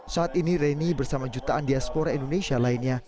saat ini reni bersama jutaan diaspora indonesia lainnya